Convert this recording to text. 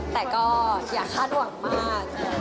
แต่ก็อย่าคาดหวังมาก